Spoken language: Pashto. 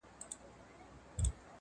د دردونو غر